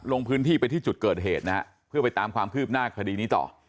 ลงพื้นที่ไปที่จุดเกิดเหตุนะฮะเพื่อไปตามความคืบหน้าคดีนี้ต่อ